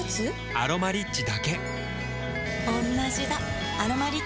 「アロマリッチ」だけおんなじだ